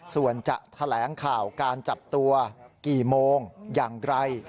ส่วนจะแถลงข่าวการจับตัวกี่โมงอย่างไร